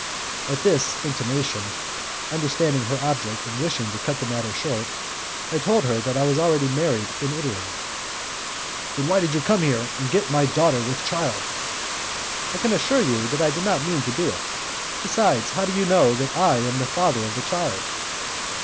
At this intimation, understanding her object and wishing to cut the matter short, I told her that I was already married in Italy. "Then why did you come here and get my daughter with child?" "I can assure you that I did not mean to do so. Besides, how do you know that I am the father of the child?"